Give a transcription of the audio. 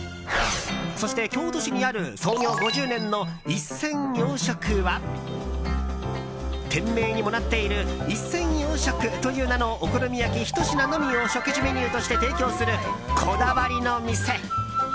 そして、京都市にある創業５０年の壹錢洋食は店名にもなっている壹錢洋食という名のお好み焼きひと品のみを食事メニューとして提供するこだわりの店。